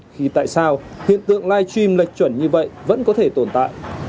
khi tại sao hiện tượng live stream lệch chuẩn như vậy vẫn có thể tồn tại